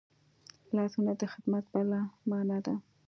لاسونه د خدمت بله مانا ده